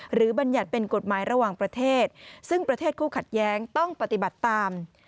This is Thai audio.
บรรยัติเป็นกฎหมายระหว่างประเทศซึ่งประเทศคู่ขัดแย้งต้องปฏิบัติตาม